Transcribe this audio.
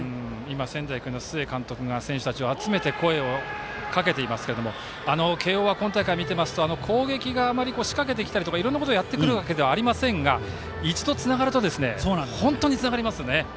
仙台育英の須江監督が仙台育英の選手たちを集めて声をかけていますが慶応は今大会見ていますと攻撃が、あまり仕掛けてきたりだとかいろんなことをやってくるわけではありませんが一度、つながると本当につながりますね。